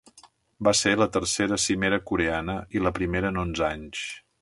Va ser la tercera cimera coreana i la primera en onze anys.